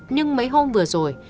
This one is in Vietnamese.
nhưng mấy hôm vừa rồi